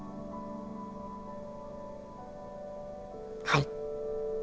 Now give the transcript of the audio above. はい。